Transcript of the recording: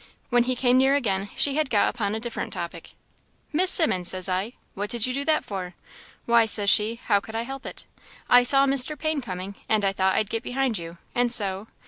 When he came near again, she had got upon a different topic " 'Miss Simmons,' says I, 'what did you do that for?' 'Why,' says she, 'how could I help it? I saw Mr. Payne coming, and I thought I'd get behind you, and so'